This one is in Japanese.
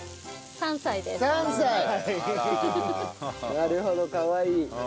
なるほどかわいい。